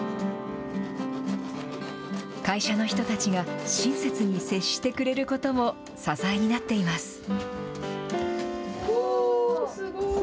会社の人たちが親切に接してくれることも支えになっています。